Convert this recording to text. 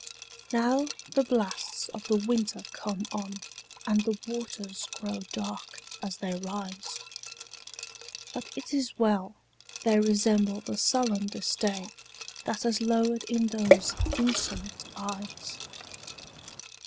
Now the blasts of the winter come on, And the waters grow dark as they rise! But 't is well!—they resemble the sullen disdainThat has lowered in those insolent eyes.